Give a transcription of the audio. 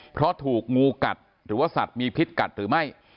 เพราะถูกงูกัดหรือว่าสัตว์มีพิษกัดหรือไม่